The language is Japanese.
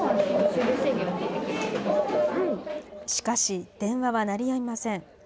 しかし、電話は鳴りやみません。